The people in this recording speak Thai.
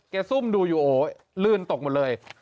ซุ่มดูอยู่โอ้โหลื่นตกหมดเลย